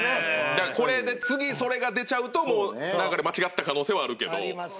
だからこれで次それが出ちゃうともう流れ間違った可能性はあるけど。